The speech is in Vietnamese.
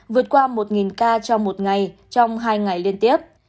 vượt qua một ca trong một ngày trong hai ngày liên tiếp